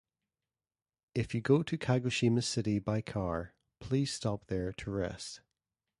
If you go to Kagoshima city by car, please stop there to rest.